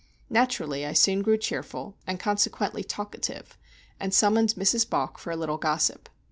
Naturally I soon grew cheerful, and consequently talkative; and summoned Mrs. Balk for a little gossip.